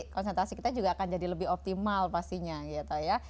konsentrasi kita juga akan jadi lebih optimal pastinya gitu ya